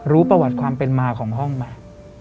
รู้ประวัติความเป็นมาของห้องไหม